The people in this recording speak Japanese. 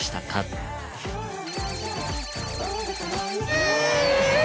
え！